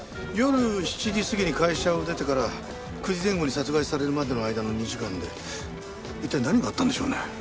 夜７時過ぎに会社を出てから９時前後に殺害されるまでの間の２時間で一体何があったんでしょうね？